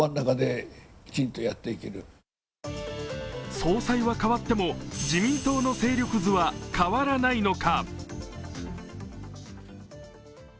総裁は代わっても自民党の勢力図は変わらないのか。